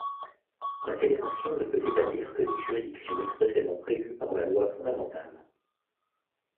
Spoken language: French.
La Fédération ne peut établir que des juridictions expressément prévues par la Loi fondamentale.